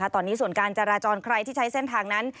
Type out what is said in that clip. ตอนนี้ส่วนการจราจรใครที่ใช้เส้นทางนั้น